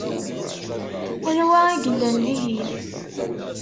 Anwa i yellan dihin?